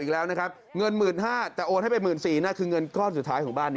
แล้วก็อยากให้เขามามอบตัว